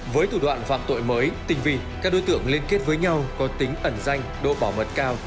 với thủ đoạn phạm tội mới tinh vi các đối tượng liên kết với nhau có tính ẩn danh độ bảo mật cao